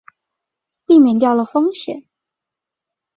避免掉了风险